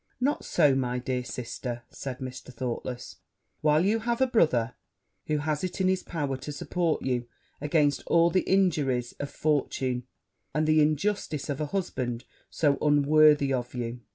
'Not so, my dear sister,' said Mr. Thoughtless, 'while you have a brother who has it in his power to support you against all the injuries of fortune, and the injustice of a husband so unworthy of you.'